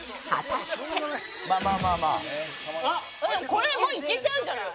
これもういけちゃうんじゃない？